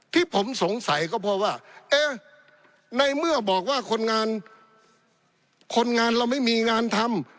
ที่ผมสงสัยก็เพราะว่าเอ๊ะในเมื่อบอกว่าคนงานคนงานเราไม่มีงานทำ